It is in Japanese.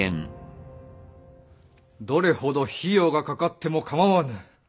どれほど費用がかかってもかまわぬ。